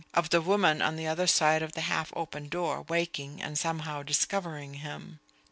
of the woman on the other side of the half open door awaking and somehow discovering him.